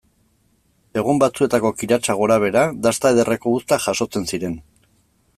Egun batzuetako kiratsa gorabehera, dasta ederreko uztak jasotzen ziren.